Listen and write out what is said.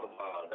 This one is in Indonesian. bulan hari ya